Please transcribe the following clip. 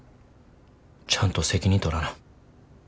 ちゃんと責任取らな。